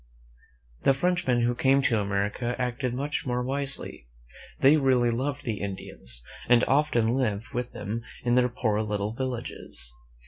The Frenchmen who came to America acted much more wisely. They really loved the Indians, and often lived with them in their poor little villages.